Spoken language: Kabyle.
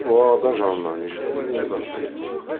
Uɣeɣ-d aǧarnan i jeddi iḍelli.